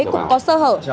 cũng có sơ hở